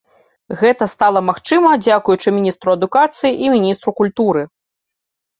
Гэта стала магчыма дзякуючы міністру адукацыі і міністру культуры.